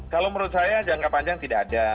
kalau menurut saya jangka panjang tidak ada